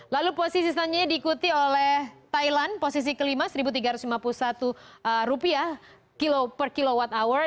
lalu posisi selanjutnya diikuti oleh thailand posisi kelima rp satu tiga ratus lima puluh satu per kilowatt hour